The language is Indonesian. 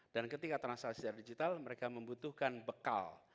dan ketika transaksi secara digital mereka membutuhkan bekal